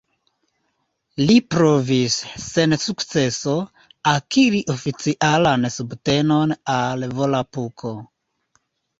Li provis, sen sukceso, akiri oficialan subtenon al Volapuko.